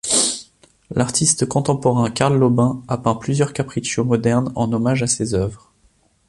L'artiste contemporain Carl Laubin a peint plusieurs capriccios modernes en hommage à ces œuvres.